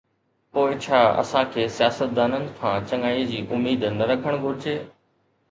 پوءِ ڇا اسان کي سياستدانن کان چڱائيءَ جي اميد نه رکڻ گھرجي؟